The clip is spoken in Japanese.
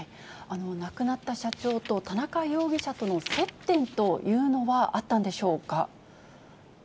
亡くなった社長と田中容疑者との接点というのはあったんでしょうか。